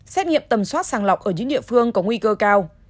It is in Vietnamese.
xét nghiệm tầm soát sàng lọc ở những địa phương có nguy cơ cao